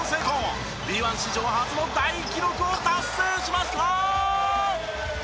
Ｂ１史上初の大記録を達成しました！